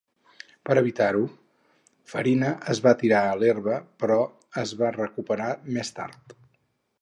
Per evitar-lo, Farina es va tirar a l'herba però es va recuperar més tard.